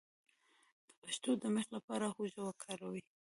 د پښو د میخ لپاره هوږه وکاروئ